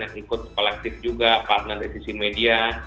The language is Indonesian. yang ikut kolektif juga partner televisi media